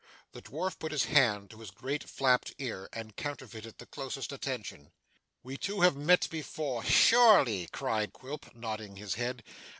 The dwarf put his hand to his great flapped ear, and counterfeited the closest attention. 'We two have met before ' 'Surely,' cried Quilp, nodding his head.